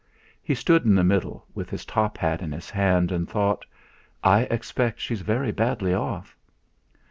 He stood in the middle, with his top hat in his hand, and thought: 'I expect she's very badly off!'